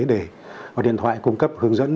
để có điện thoại cung cấp hướng dẫn